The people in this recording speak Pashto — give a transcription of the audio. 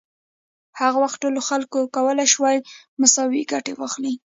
هغه وخت ټولو خلکو کولای شوای مساوي ګټه واخلي.